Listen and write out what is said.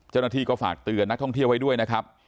เจ้าหน้าที่ก็ฝากเตือนนักท่องเที่ยวไว้ด้วยนะครับ